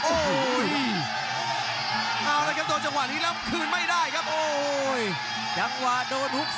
โอ้โห